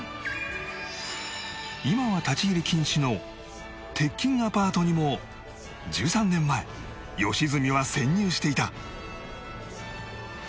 今は立ち入り禁止の鉄筋アパートにも１３年前良純は潜入していた